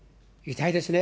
痛いですね。